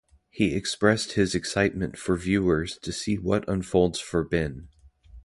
He expressed his excitement for viewers to see what unfolds for Ben.